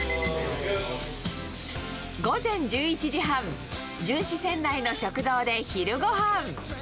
午前１１時半、巡視船内の食堂で昼ごはん。